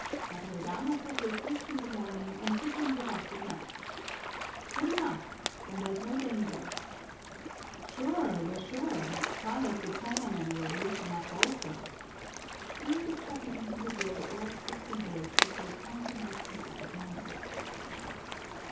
"Padre Damaso will preach in the morning and sit in with us at night." "Good enough! Then there's no danger." "Sure, we're sure! Carlos the Chinaman will loosen up also." Here the chubby individual works his fingers as though counting out pieces of money.